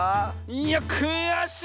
いやくやしい！